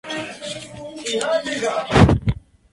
Este aislamiento relativo terminó con la llegada del pueblo Lapita.